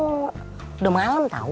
udah malem tau